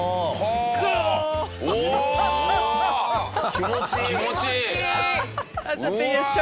おお気持ちいい！